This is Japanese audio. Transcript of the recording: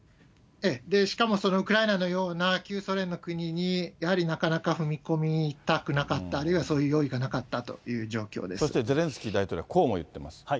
しかもそのウクライナのような、旧ソ連の国に、やはりなかなか踏み込みたくなかった、あるいはそういう用意がなかったというそしてゼレンスキー大統領は、こうも言ってます。